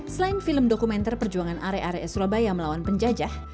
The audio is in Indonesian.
selain film dokumenter perjuangan are are surabaya melawan penjajah